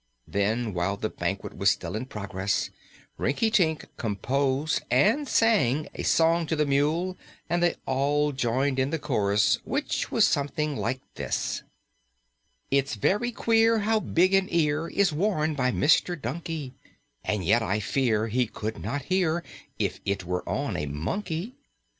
Then while the banquet was still in progress, Rinkitink composed and sang a song to the mule and they all joined in the chorus, which was something like this: "It's very queer how big an ear Is worn by Mr. Donkey; And yet I fear he could not hear If it were on a monkey.